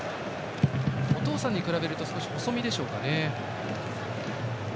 お父さんに比べると少し細身でしょうか。